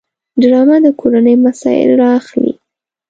ډرامه د کورنۍ مسایل راخلي